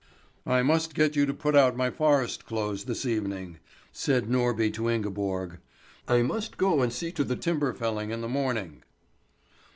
"I must get you to put out my forest clothes this evening," said Norby to Ingeborg; "I must go and see to the timber felling in the morning."